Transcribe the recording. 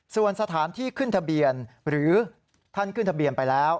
ส่วนสถานที่ขึ้นทะเบียนหรือท่านขึ้นทะเบียนไปแล้ว